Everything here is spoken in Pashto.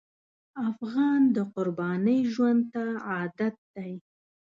افغان د قربانۍ ژوند ته عادت دی.